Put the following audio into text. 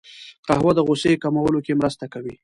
قهوه د غوسې کمولو کې مرسته کوي